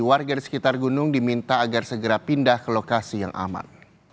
warga di sekitar gunung diminta agar segera pindah ke lokasi yang aman